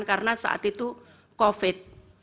karena saat itu covid